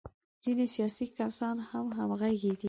ځینې سیاسي کسان هم همغږي دي.